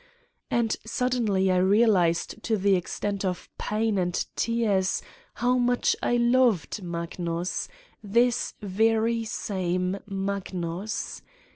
And suddenly I real ized to the extent of pain and tears, how much I loved Magnus, this very same Magnus!